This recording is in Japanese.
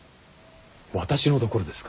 私のところですか。